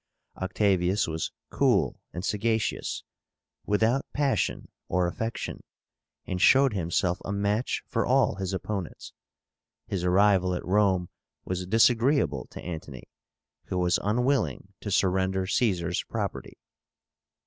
Octavius was cool and sagacious, without passion or affection, and showed himself a match for all his opponents. His arrival at Rome was disagreeable to Antony, who was unwilling to surrender Caesar's property.